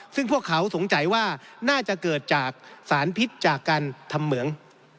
ซึ่งพวกเขาสงสัยว่าน่าจะเกิดจากสารพิษจากการทำเหมือง